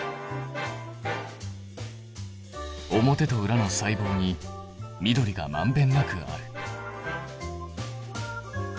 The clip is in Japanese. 表と裏の細胞に緑がまんべんなくある。